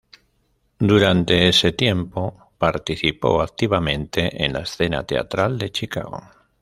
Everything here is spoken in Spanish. Durante ese tiempo participó activamente en la escena teatral de Chicago.